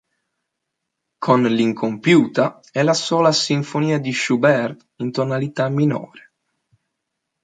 Con l"'Incompiuta", è la sola sinfonia di Schubert in tonalità minore.